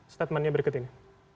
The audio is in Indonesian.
statementnya berikut ini